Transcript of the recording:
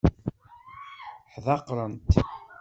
Ḥdaqrent.